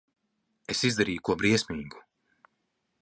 Es izdarīju ko briesmīgu.